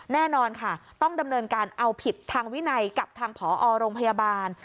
แน่นอนค่ะต้องดำเนินการเอาผิดทางวินัยกับทางผอโรงพยาบาล